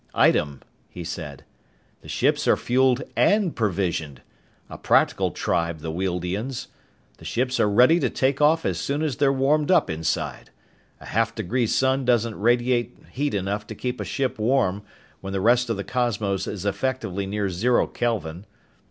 "Item," he said. "The ships are fuelled and provisioned. A practical tribe, the Wealdians! The ships are ready to take off as soon as they're warmed up inside. A half degree sun doesn't radiate heat enough to keep a ship warm, when the rest of the cosmos is effectively near zero Kelvin.